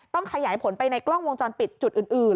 ขยายผลไปในกล้องวงจรปิดจุดอื่น